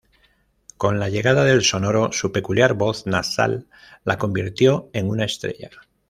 Con la llegada del sonoro, su peculiar voz nasal la convirtió en una estrella.